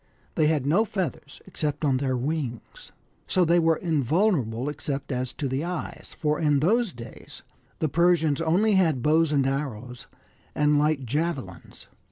They had no feathers except on their wings. So they were in vulnerable except as to the eyes for in those days the Persians only had bows and arrows, and light javelins.